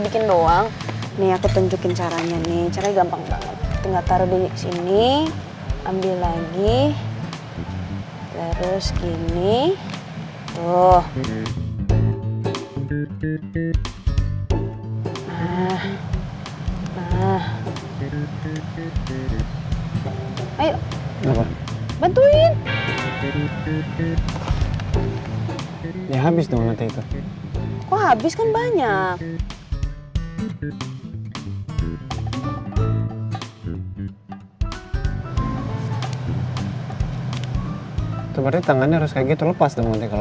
kita bikin yang panjang ya